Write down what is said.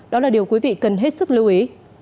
đó là điều quý vị cần hết sức lưu ý